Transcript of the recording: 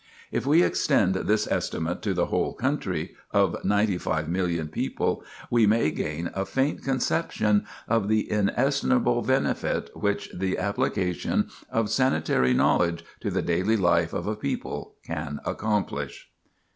If we extend this estimate to the whole country, of ninety five million people, we may gain a faint conception of the inestimable benefits which the application of sanitary knowledge to the daily life of a people can accomplish.